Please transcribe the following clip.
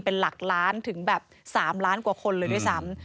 เป็นหลักล้านถึงแบบ๓ล้านกว่าคนเลยด้วยซ้ำ